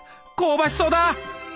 香ばしそうだ。